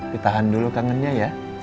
ditahan dulu kangennya ya